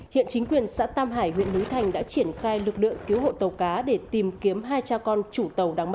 hiện chính quyền xã tam hải huyện lúi thành đã triển khai lực lượng